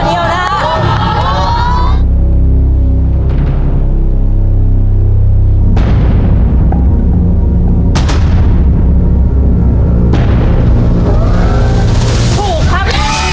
ถูกครับ